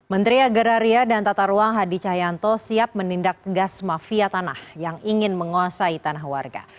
menteri agraria dan tata ruang hadi cahyanto siap menindak gas mafia tanah yang ingin menguasai tanah warga